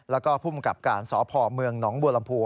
แล้วก็ภูมิกับการสพเมืองหนองบัวลำพู